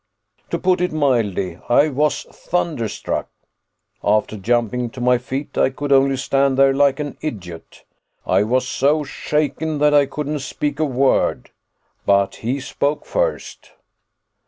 "To put it mildly, I was thunderstruck. After jumping to my feet, I could only stand there like an idiot. I was so shaken that I couldn't speak a word. But he spoke first.